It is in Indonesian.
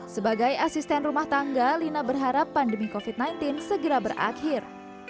sebagai asisten rumah tangga lina berharap pandemi covid sembilan belas segera berakhir